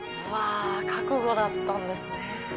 うわ覚悟だったんですね。